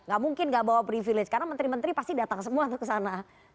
gak mungkin gak bawa privilege karena menteri menteri pasti datang semua tuh ke sana